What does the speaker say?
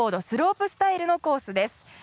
スロープスタイルのコースです。